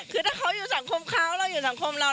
คือถ้าเขาอยู่สังคมเขาเราอยู่สังคมเรา